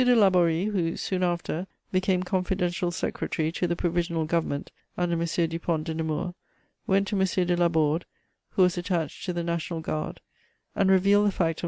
de Laborie, who, soon after, became confidential secretary to the Provisional Government under M. Dupont de Nemours, went to M. de Laborde, who was attached to the National Guard, and revealed the fact of M.